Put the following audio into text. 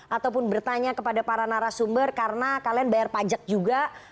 ataupun bertanya kepada para narasumber karena kalian bayar pajak juga